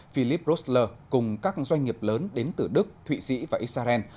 philippe roessler cùng các doanh nghiệp lớn đến từ đức thụy sĩ và israel